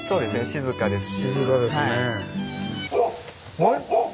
静かですし。